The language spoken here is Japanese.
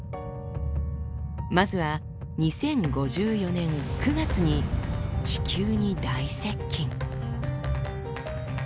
まずは２０５４年９月に地球に大接近。